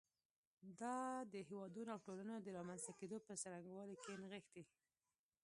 دا د هېوادونو او ټولنو د رامنځته کېدو په څرنګوالي کې نغښتی.